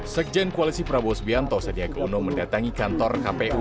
sekjen koalisi prabowo subianto sandiaga uno mendatangi kantor kpu